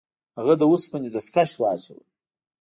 هغه د اوسپنې دستکش واچول.